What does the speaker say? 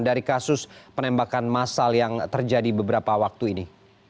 dari kasus penembakan masal yang terjadi beberapa waktu ini